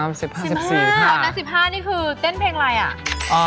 ประมาณ๑๕นี่คือเต้นเพลงอะไรอ่ะ